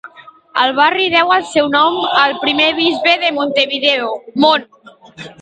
El barri deu el seu nom al primer bisbe de Montevideo, Mon.